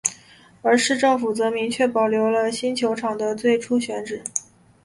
而市政府则明确保留了新球场的最初选址。